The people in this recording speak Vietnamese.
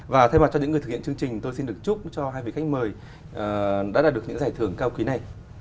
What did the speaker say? và thay mặt cho những người thực hiện chương trình tôi xin được chúc cho hai vị khách mời đã đạt được những giải thưởng cao quý này